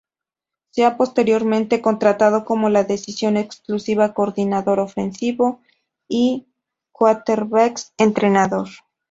Sea posteriormente contratado como la dedicación exclusiva coordinador ofensivo y quarterbacks entrenador.